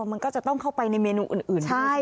มันก็จะต้องเข้าไปในเมนูอื่น